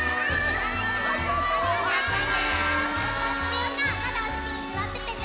みんなまだおせきにすわっててね。